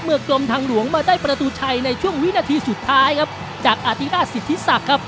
กลมทางหลวงมาได้ประตูชัยในช่วงวินาทีสุดท้ายครับจากอธิราชสิทธิศักดิ์ครับ